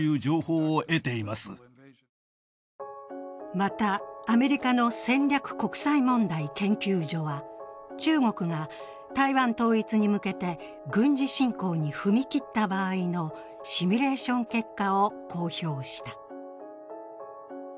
また、アメリカの戦略国際問題研究所は中国が台湾統一に向けて軍事侵攻に踏み切った場合のシミュレーション結果を公表した。